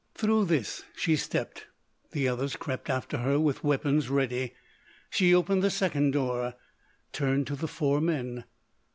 Through this she stepped; the others crept after her with weapons ready. She opened a second door, turned to the four men.